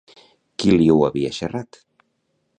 Qui li ho havia xerrat?